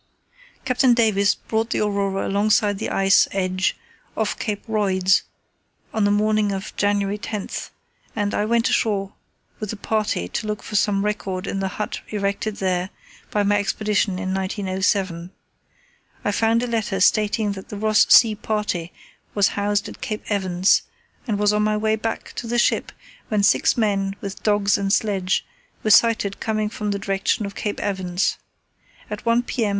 Light Pack] Captain Davis brought the Aurora alongside the ice edge off Cape Royds on the morning of January 10, and I went ashore with a party to look for some record in the hut erected there by my Expedition in 1907. I found a letter stating that the Ross Sea party was housed at Cape Evans, and was on my way back to the ship when six men, with dogs and sledge, were sighted coming from the direction of Cape Evans. At 1 p.m.